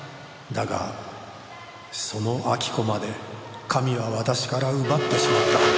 「だがその亜木子まで神は私から奪ってしまった」